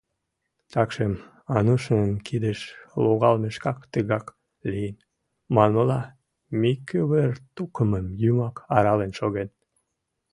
Такшым Анушын кидыш логалмешкак тыгак лийын, манмыла, Микывыр тукымым Юмак арален шоген.